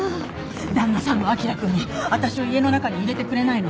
旦那さんもあきら君も私を家の中に入れてくれないの。